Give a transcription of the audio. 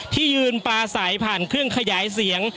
ที่ยืนปลาสายผ่านเครื่องขยายเสียง